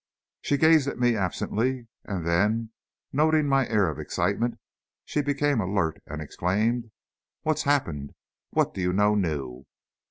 She gazed at me absently, and then, noting my air of excitement, she became alert and exclaimed, "What's happened? What do you know new?"